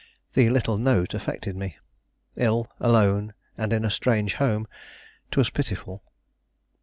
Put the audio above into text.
The little note affected me. Ill, alone, and in a strange home, 'twas pitiful!